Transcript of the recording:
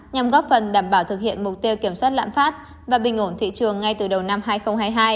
nhằm góp phần đảm bảo thực hiện mục tiêu kiểm soát lãm phát và bình ổn thị trường ngay từ đầu năm hai nghìn hai mươi hai